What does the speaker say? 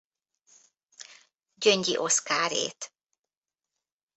Gyöngyi Oszkárét.